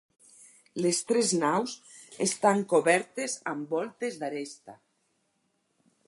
Les tres naus estan cobertes amb voltes d'aresta.